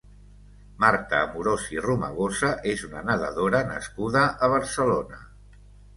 Marta Amorós i Romagosa és una nedadora nascuda a Barcelona.